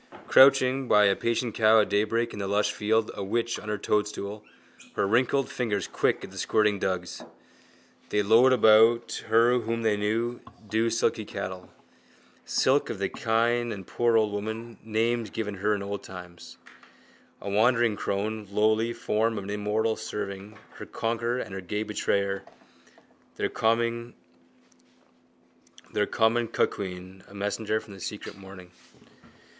Crouching by a patient cow at daybreak in the lush field, a witch on her toadstool, her wrinkled fingers quick at the squirting dugs. They lowed about her whom they knew, dewsilky cattle. Silk of the kine and poor old woman, names given her in old times. A wandering crone, lowly form of an immortal serving her conqueror and her gay betrayer, their common cuckquean, a messenger from the secret morning.